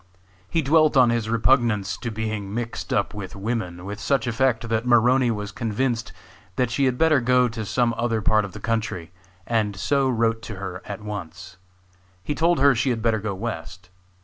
He dwelt on his repugnance to being mixed up with women with such effect that Maroney was convinced that she had better go to some other part of the country, and so wrote to her at once. He told her she had better go west.